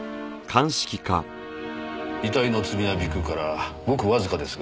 遺体の爪や鼻腔からごくわずかですが